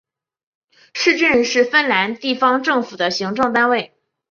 市镇是芬兰地方政府的行政单位。